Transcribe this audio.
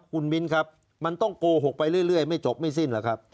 คุณมิ้นครับมันต้องโกหกไปเรื่อยไม่จบไม่สิ้นหรอกครับ